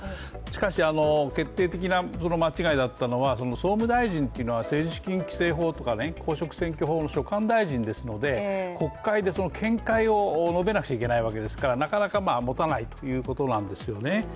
しかし、決定的な間違いだったのは総務大臣というのは、政治資金規正法とか公職選挙法とかの、所管大臣ですので国会で見解を述べなくちゃいけないわけですからなかなかもたないということなんですよね。